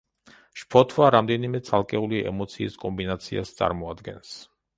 შფოთვა, რამდენიმე ცალკეული ემოციის კომბინაციას წარმოადგენს.